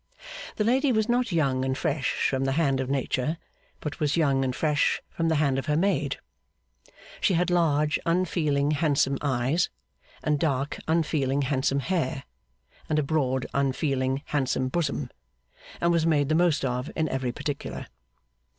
The lady was not young and fresh from the hand of Nature, but was young and fresh from the hand of her maid. She had large unfeeling handsome eyes, and dark unfeeling handsome hair, and a broad unfeeling handsome bosom, and was made the most of in every particular.